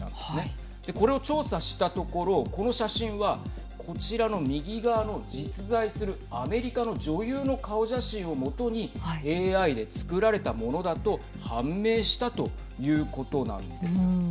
これを調査したところこの写真はこちらの右側の実在するアメリカの女優の顔写真を基にＡＩで作られたものだと判明したということなんです。